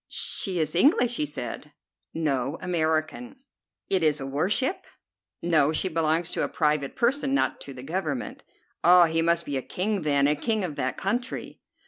"She is English," he said. "No, American." "It is a war ship?" "No, she belongs to a private person, not to the Government." "Ah, he must be a king, then, a king of that country."